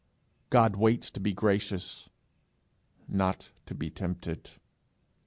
God waits to be gracious not to be tempted.